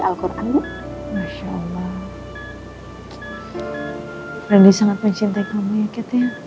apa pimpe pene pilgrim pakaianmu ini